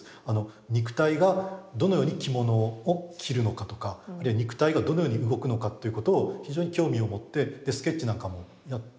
肉体がどのように着物を着るのかとか肉体がどのように動くのかっていうことを非常に興味を持ってスケッチなんかもやってるんですね。